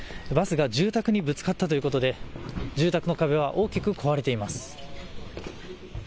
バスが住宅にぶつかったということで住宅の壁は大きく壊れています。